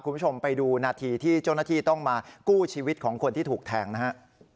คุณผู้ชมไปดูนาทีที่เจ้าหน้าที่ต้องมากู้ชีวิตของคนที่ถูกแทงนะฮะ